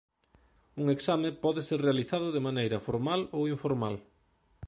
Un exame pode ser realizado de maneira formal ou informal.